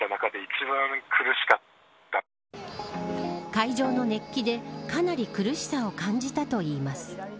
会場の熱気でかなり苦しさを感じたといいます。